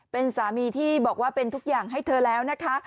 เป็นสามีที่บอกว่าเป็นทุกอย่างให้เธอแล้วนะคะ